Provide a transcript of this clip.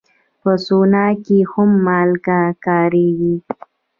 په سونا کې هم مالګه کارېږي.